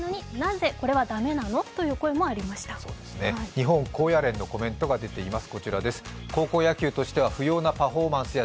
日本高野連のコメントが出ています。